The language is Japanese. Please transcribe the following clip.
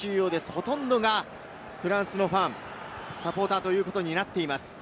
ほとんどがフランスのファン、サポーターということになっています。